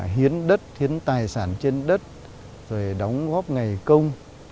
hiến đất hiến tài sản trên đất rồi đóng góp ngày công